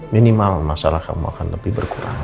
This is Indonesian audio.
minimal masalah kamu akan lebih berkurang